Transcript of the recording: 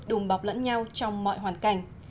đùm bọc lẫn nhau trong mọi hoàn cảnh